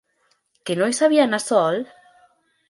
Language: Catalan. Que no hi sabia anar sol?